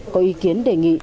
có ý kiến đề nghị